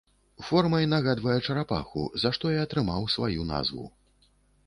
Формай нагадвае чарапаху, за што і атрымаў сваю назву.